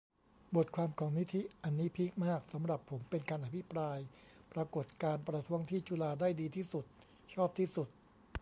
บทความของนิธิ อันนี้พีคมาก สำหรับผม เป็นการอธิบายปรากฎการณ์ประท้วงที่จุฬา ได้ดีที่สุด ชอบที่สุด